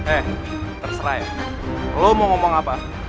eh terserah ya lo mau ngomong apa